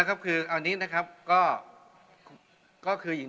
ในสัปดาห์หน้าที่ก็เป็นเหล่าง